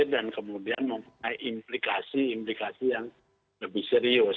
tapi saya mengatakan ini mengenai implikasi implikasi yang lebih serius